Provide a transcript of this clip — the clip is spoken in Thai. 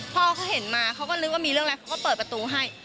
พ่อเขาเห็นมาเขาก็นึกว่ามีเรื่องอะไรเขาก็เปิดประตูให้